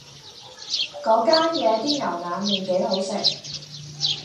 嗰間嘢啲牛腩麵幾好食